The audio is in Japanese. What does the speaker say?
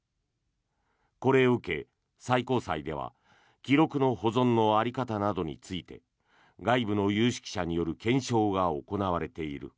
これを受け、最高裁では記録の保存の在り方などについて外部の有識者による検証が行われている。